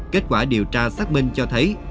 kết quả điều tra xác minh cho thấy